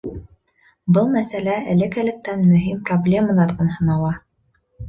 Был мәсьәлә элек-электән мөһим проблемаларҙан һанала.